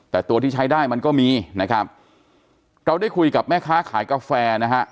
แต่ตัวที่ใช้ได้มันก็มีนะครับเราได้คุยกับแม่ค้าขายกาแฟนะฮะ